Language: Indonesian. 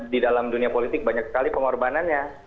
di dalam dunia politik banyak sekali pengorbanannya